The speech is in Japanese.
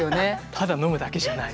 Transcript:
ただ飲むだけじゃない。